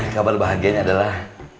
kabar bahagianya adalah